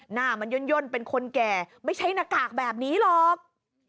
หน้ามันย่นเป็นคนแก่ไม่ใช่หน้ากากแบบนี้หรอก